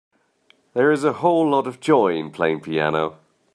There is a whole lot of joy in playing piano.